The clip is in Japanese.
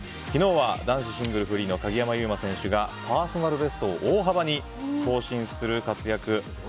昨日は男子シングルフリーの鍵山優真選手がパーソナルベストを大幅に更新する活躍。